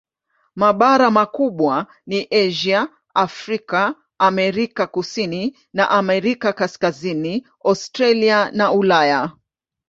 Mabara makubwa ni Asia, Afrika, Amerika Kusini na Amerika Kaskazini, Australia na Ulaya.